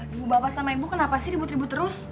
ibu bapak sama ibu kenapa sih ribut ribut terus